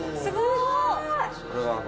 すごい！